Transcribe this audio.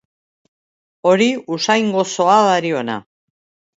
Hori usain gozoa, dariona.